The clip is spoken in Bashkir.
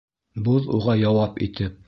Боҙ уға яуап итеп: